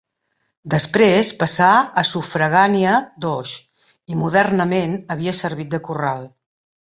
Després passà a sufragània d'Oix, i modernament havia servit de corral.